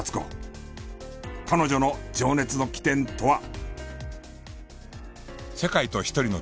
彼女の情熱の起点とは。